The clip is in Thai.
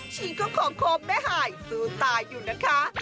ฉีกก็ขอบไม่หายซื้อตายอยู่นะคะ